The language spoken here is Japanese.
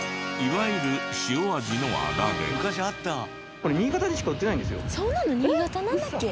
これ新潟でしか売ってないんですよ。